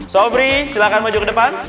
sobri silakan maju ke depan